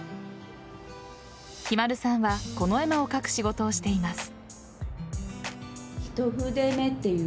ひまるさんはこの絵馬を描く仕事をしています。